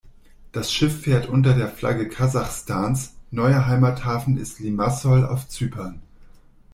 Das Schiff fährt unter der Flagge Kasachstans, neuer Heimathafen ist Limassol auf Zypern.